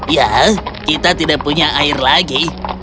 ya kita tidak punya air lagi